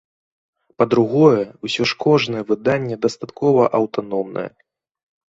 Па-другое, усё ж кожнае выданне дастаткова аўтаномнае.